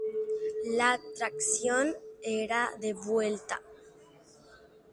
La tracción era de vuelta.